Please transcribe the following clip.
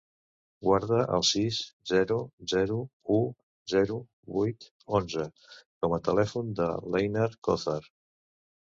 Guarda el sis, zero, zero, u, zero, vuit, onze com a telèfon de l'Einar Cozar.